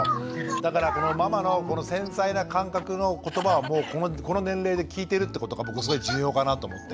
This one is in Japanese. だからママのこの繊細な感覚の言葉をもうこの年齢で聞いてるってことが僕すごい重要かなと思って。